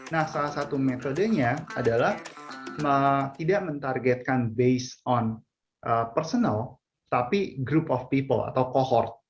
nah salah satu metodenya adalah tidak mentargetkan based on personal tapi group of people atau cohort